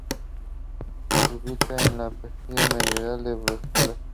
Se ubica en la periferia meridional de Bruselas.